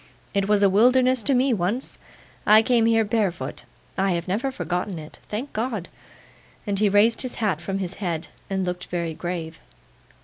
'It was a wilderness to me once. I came here barefoot. I have never forgotten it. Thank God!' and he raised his hat from his head, and looked very grave.